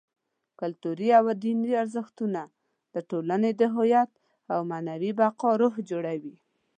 کلتوري او دیني ارزښتونه: د ټولنې د هویت او معنوي بقا روح جوړوي.